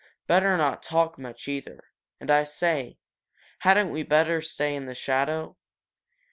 Better not talk much, either. And, I say, hadn't we better stay in the shadow?